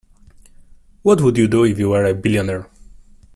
What would you do if you were a billionaire?